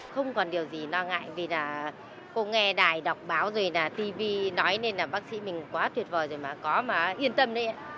không còn điều gì lo ngại vì là cô nghe đài đọc báo rồi là tv nói nên là bác sĩ mình quá tuyệt vời rồi mà có mà yên tâm đấy ạ